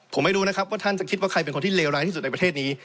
ผมไม่รู้นะครับว่าท่านจะคิดว่าใครเป็นคนที่เลวร้ายที่สุดในประเทศนี้